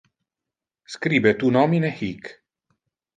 Scribe tu nomine hic.